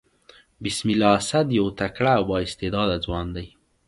بسم الله اسد يو تکړه او با استعداده ځوان دئ.